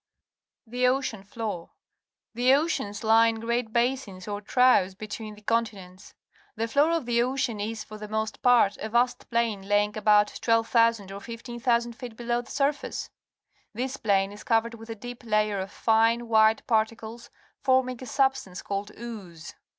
The Ocean Floor. — The oceans lie in great basins, or troughs, between the conti nents. The floor of the ocean is, for the most part, a \a~t ])lain. laying about 12,000 OT 15.(1(11) feet below the surface. This plain is coxt'it'd with a deep layer of fine, white particles, forming a substance called ooze.